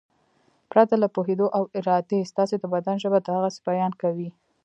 پرته له پوهېدو او ارادې ستاسې د بدن ژبه د غسې بیان کوي.